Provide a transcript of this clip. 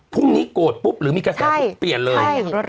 พรุ่งนี้โกรธปุ๊บหรือมีกระแก๊ปเปลี่ยนเลย